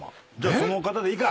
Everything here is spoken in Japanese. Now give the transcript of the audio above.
その方でいいか。